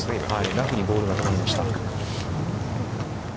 ラフにボールが止まりました。